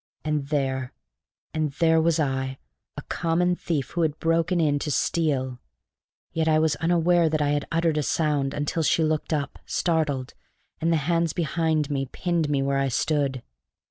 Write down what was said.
And there, and there was I, a common thief who had broken in to steal! Yet I was unaware that I had uttered a sound until she looked up, startled, and the hands behind me pinned me where I stood.